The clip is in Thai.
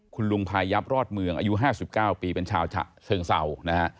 คุณลุงพายับรอดเมืองอายุ๕๙ปีเป็นชาวฉะเชิงเศร้านะฮะ